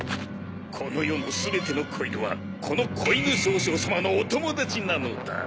この世の全ての小犬はこの小犬少将様のお友達なのだ。